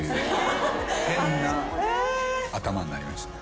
変な頭になりましたね。